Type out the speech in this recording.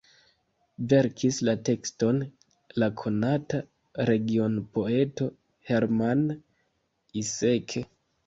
Verkis la tekston la konata regionpoeto Hermann Iseke.